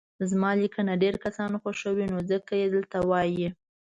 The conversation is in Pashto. زما ليکنه ډير کسان خوښوي نو ځکه يي دلته وايي